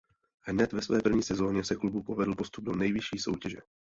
Hned ve své první sezóně se klubu povedl postup do nejvyšší soutěže.